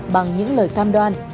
bằng những lời cam đoan